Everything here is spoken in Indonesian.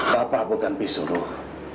bapak bukan pisuruh